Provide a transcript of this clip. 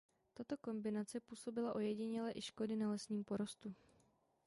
Tato kombinace působila ojediněle i škody na lesním porostu.